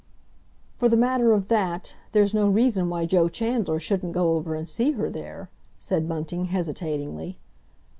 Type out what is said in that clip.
"For the matter of that, there's no reason why Joe Chandler shouldn't go over and see her there," said Bunting hesitatingly.